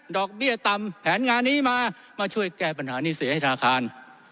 เบี้ยต่ำแผนงานนี้มามาช่วยแก้ปัญหาหนี้เสียให้ธนาคาร